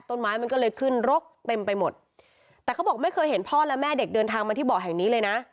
ต้นไม้มันก็เลยขึ้นรกเต็มไปหมดแต่เขาบอกไม่เคยเห็นพ่อและแม่เด็กเดินทางมาที่เบาะแห่งนี้เลยนะ